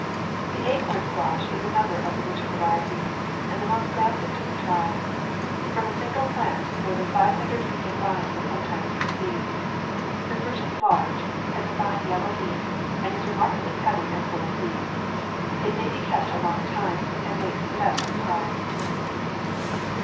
The acorn squash is another of the winter variety, and the most rampant of the tribe. From a single plant, more than five hundred feet of vine will sometimes proceed. The fruit is large, has a fine yellow meat, and is remarkably heavy, and fuil of seeds. It may be kept a long time, and makes the best of pies.